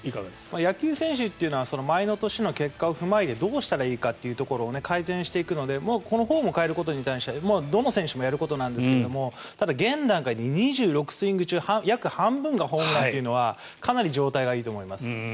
野球選手っていうのは前の年の結果を踏まえてどうしたらいいかっていうところを改善していくのでフォームを変えていくということはどの選手もやることなんですがただ、現段階で２６スイング中約半分がホームランっていうのはかなり状態がいいと思います。